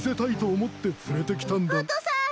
おとさん！